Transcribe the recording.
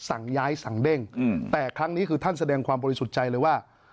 สั่งย้ายสั่งเด้งแต่ครั้งนี้คือท่านแสดงความบริสุทธิ์ใจเลยว่า